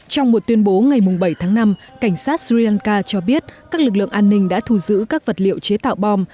trong một tuyên bố ngày bảy tháng năm cảnh sát sri lanka cho biết các lực lượng an ninh đã thu giữ các vật liệu chế tạo bom